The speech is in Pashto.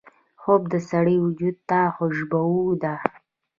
خوب د سړي وجود ته خوشبو ده